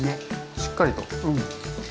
しっかりと。